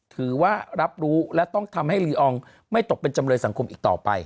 ถือว่ารับรู้และต้องทำให้ลีอองไม่ตกเป็นจำเลยสังคมอีกต่อไป